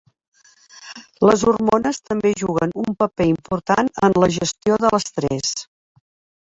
Les hormones també juguen un paper important en la gestió de l'estrès.